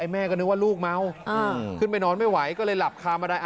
แม่ก็นึกว่าลูกเมาขึ้นไปนอนไม่ไหวก็เลยหลับคามาได้